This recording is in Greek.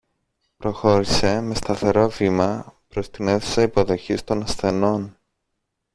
Προχώρησε με σταθερό βήμα προς την αίθουσα υποδοχής των ασθενών